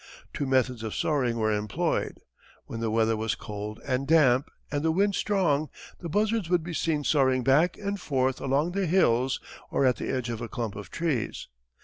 Two methods of soaring were employed. When the weather was cold and damp and the wind strong the buzzards would be seen soaring back and forth along the hills or at the edge of a clump of trees.